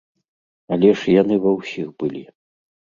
Але ж яны ва ўсіх былі.